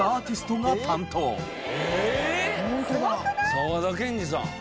「沢田研二さん」